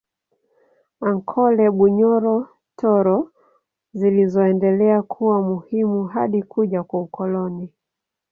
Ankole Bunyoro Toro zilizoendelea kuwa muhimu hadi kuja kwa ukoloni